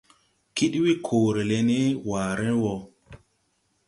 Kid we koore le ne waare wo.